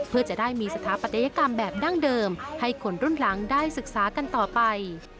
เพื่อจะได้มีสถาปัตยกรรมแบบดั้งเดิมให้คนรุ่นหลังได้ศึกษากันต่อไป